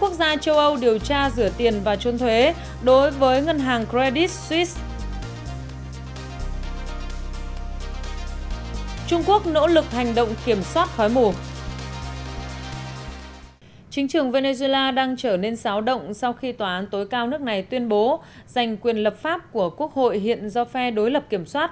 chính trưởng venezuela đang trở nên xáo động sau khi tòa án tối cao nước này tuyên bố giành quyền lập pháp của quốc hội hiện do phe đối lập kiểm soát